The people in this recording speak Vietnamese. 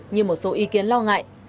như một số ý kiến lo ngại